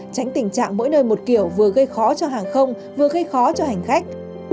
tránh tình trạng mỗi nơi một kiểu vừa gây khó cho hàng không vừa gây khó cho hành khách